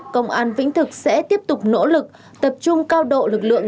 công an vĩnh thực sẽ tiếp tục nỗ lực tập trung cao độ lực lượng